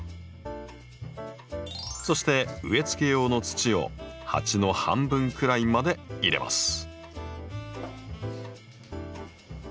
そして植えつけ用の土を鉢の半分くらいまで入れます。